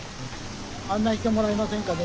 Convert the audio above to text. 案内してもらえませんかね。